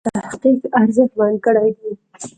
عطایي د مطالعې او تحقیق ارزښت بیان کړی دی.